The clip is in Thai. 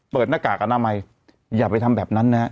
หน้ากากอนามัยอย่าไปทำแบบนั้นนะฮะ